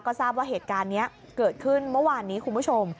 ก็ทราบว่าเหตุการณ์นี้เกิดขึ้นเมื่อวานนี้คุณผู้ชม